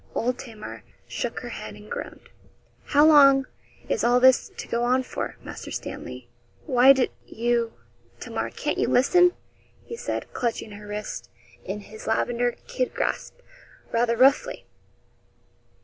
Old Tamar shook her head and groaned. 'How long is all this to go on for, Master Stanley?' 'Why, d you, Tamar, can't you listen?' he said, clutching her wrist in his lavender kid grasp rather roughly.